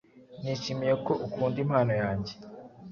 Nishimiye ko ukunda impano yanjye.